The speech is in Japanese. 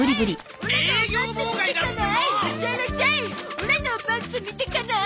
オラのおパンツ見てかなーい？